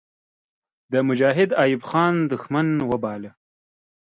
د مجاهد ایوب خان دښمن وباله.